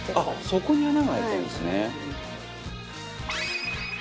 底に穴が開いてるんですね。